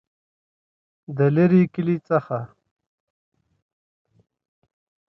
دلیري کلي څخه